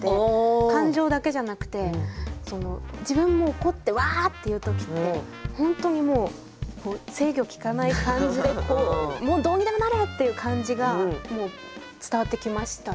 感情だけじゃなくて自分も怒ってワーッて言う時って本当にもう制御利かない感じでこうもうどうにでもなれ！っていう感じが伝わってきましたね。